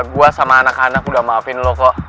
gue sama anak anak udah maafin dulu kok